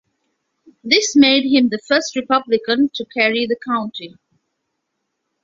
This made him the first Republican to carry the county.